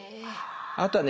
あとはね